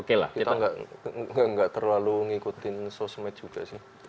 kita nggak terlalu ngikutin sosmed juga sih